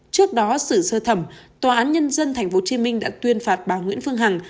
trước đó xử sơ thẩm tòa án nhân dân tp hcm đã tuyên phạt bà nguyễn phương hằng